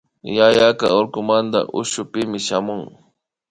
Yayaka urkumanta ushupi shamun